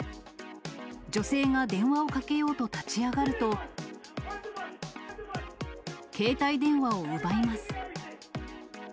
女性が電話をかけようと立ち上がると、携帯電話を奪います。